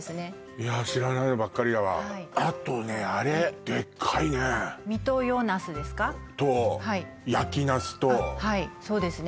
いや知らないのばっかりだわはいあとねあれでっかいねあっ三豊ナスですか？とヤキナスとあっはいそうですね